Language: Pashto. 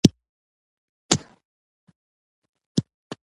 که دې ونه ښودل، نو ګټلي بادام به بیرته ماته راکوې.